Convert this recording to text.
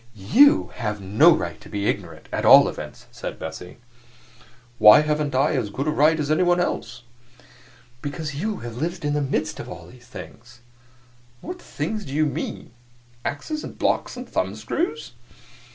"YOU have no right to be ignorant, at all events," said Bessie. "Why haven't I as good a right as anyone else?" "Because you have lived in the midst of all these things." "What things do you mean? Axes, and blocks, and thumbscrews?"